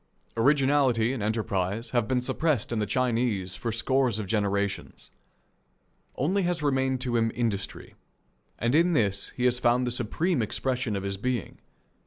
Originality and enterprise have been suppressed in the Chinese for scores of generations. Only has remained to him industry, and in this has he found the supreme expression of his being.